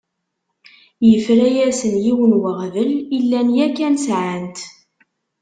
Yefra-asen yiwen n uɣbel i llan yakan sεan-t.